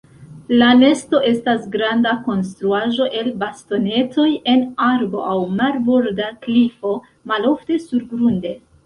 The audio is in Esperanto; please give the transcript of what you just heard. La nesto estas granda konstruaĵo el bastonetoj en arbo aŭ marborda klifo; malofte surgrunde.